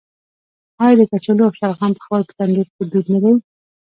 آیا د کچالو او شلغم پخول په تندور کې دود نه دی؟